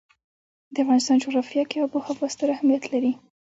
د افغانستان جغرافیه کې آب وهوا ستر اهمیت لري.